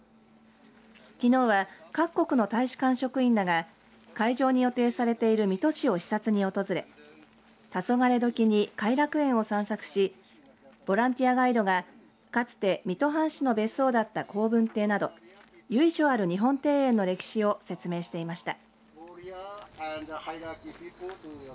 きのうは各国の大使館職員らが会場に予定されている水戸市を視察に訪れたそがれどきに偕楽園を散策しボランティアガイドがかつて水戸藩主の別荘だった好文亭など由緒ある日本庭園の歴史を説明していました。